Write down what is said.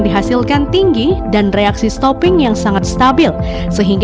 utama pengganti dari dapatan maka darilisten lainnya untuk memiliki discovation ekonomi